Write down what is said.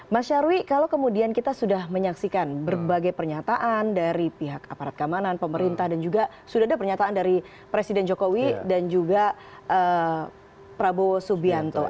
mas nyarwi kalau kemudian kita sudah menyaksikan berbagai pernyataan dari pihak aparat keamanan pemerintah dan juga sudah ada pernyataan dari presiden jokowi dan juga prabowo subianto